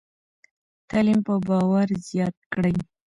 تعلیم به باور زیات کړي.